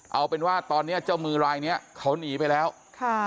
เอาเป็นว่าตอนเนี้ยเจ้ามือรายเนี้ยเขาหนีไปแล้วค่ะ